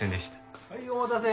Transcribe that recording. はいお待たせ。